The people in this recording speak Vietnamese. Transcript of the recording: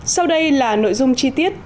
sau đây là nội dung chi tiết